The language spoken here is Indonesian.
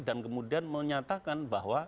dan kemudian menyatakan bahwa